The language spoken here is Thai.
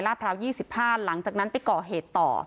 ลาดพร้าวยี่สิบห้านหลังจากนั้นไปก่อเหตุต่อ